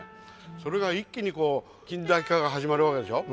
それが一気に近代化が始まるわけでしょ。